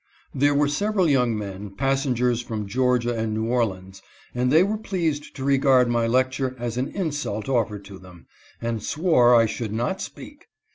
There were several young men, passengers from Georgia and New Orleans, and they were pleased to regard my lec ture as an insult offered to them, and swore I should not speak.